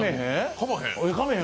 かめへん？